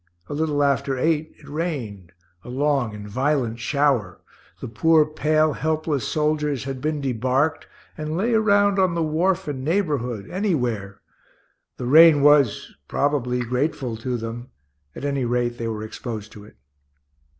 A little after eight it rained, a long and violent shower. The poor, pale, helpless soldiers had been debarked, and lay around on the wharf and neighborhood, anywhere. The rain was, probably, grateful to them; at any rate they were exposed to it.